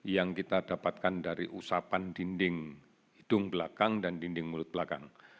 yang kita dapatkan dari usapan dinding hidung belakang dan dinding mulut belakang